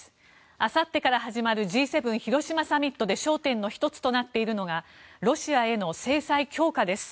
あさってから始まるＧ７広島サミットで焦点の１つとなっているのがロシアへの制裁強化です。